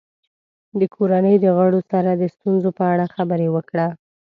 د کورنۍ د غړو سره د ستونزو په اړه خبرې وکړه.